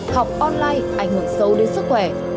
học online ảnh hưởng sâu đến sức khỏe